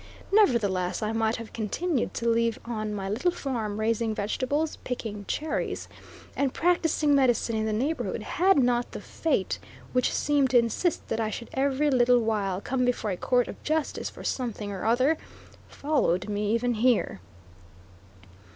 Nevertheless, I might have continued to live on my little farm, raising vegetables, picking cherries, and practicing medicine in the neighborhood, had not the fate, which seemed to insist that I should every little while come before a court of justice for something or other, followed me even here.